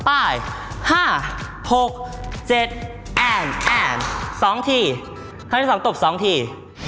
แอ้น๒ทีข้างที่๓ตบ๒ที